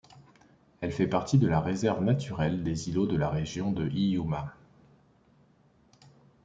Elle fait partie de la réserve naturelle des îlots de la région de Hiiumaa.